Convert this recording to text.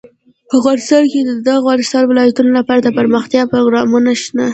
افغانستان کې د د افغانستان ولايتونه لپاره دپرمختیا پروګرامونه شته.